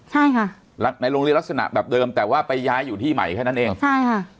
ใช่ค่ะในโรงเรียนลักษณะแบบเดิมแต่ว่าไปย้ายอยู่ที่ใหม่แค่นั้นเองใช่ค่ะ